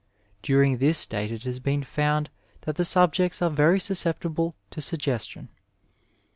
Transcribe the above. During this state it has been found that the subjects are very susceptible to sugges tion.